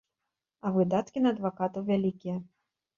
А выдаткі на адвакатаў вялікія.